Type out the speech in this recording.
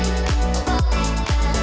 oke kita peliting ya